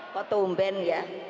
kok tumben ya